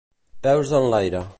Peus en l'aire.